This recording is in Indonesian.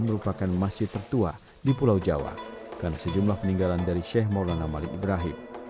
merupakan masjid tertua di pulau jawa karena sejumlah peninggalan dari sheikh maulana malik ibrahim